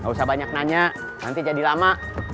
gak usah banyak nanya nanti jadi lama